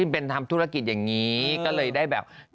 เป็นทำธุรกิจอย่างนี้ก็เลยได้แบบ